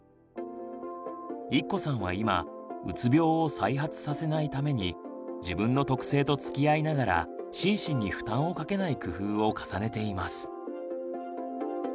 いっこさんは今「うつ病を再発させない」ために自分の特性とつきあいながら心身に負担をかけない工夫を重ねています。